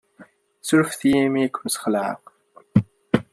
Ssurfet-iyi imi ay ken-sxelɛeɣ.